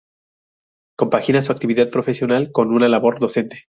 Compagina su actividad profesional con una labor docente.